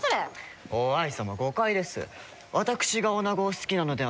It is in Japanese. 於愛様誤解です。